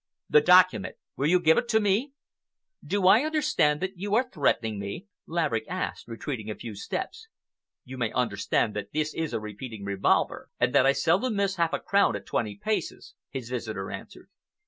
The document! Will you give it me?" "Do I understand that you are threatening me?" Laverick asked, retreating a few steps. "You may understand that this is a repeating revolver, and that I seldom miss a half crown at twenty paces," his visitor answered.